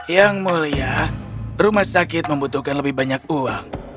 yang mulia rumah sakit membutuhkan lebih banyak uang